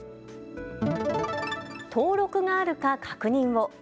登録があるか確認を。